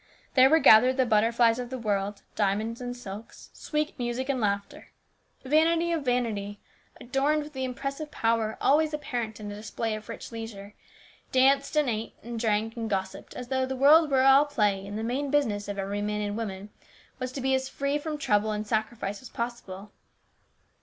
There were gathered the STEWARDSHIP. 315 butterflies of the world, diamonds and silks, sweet music and laughter ; vanity of vanity, adorned with the impressive power always apparent in a display of rich leisure, danced and ate and drank and gossiped, as though the world were all play and the main business of every man and woman was to be as free from trouble and sacrifice as possible.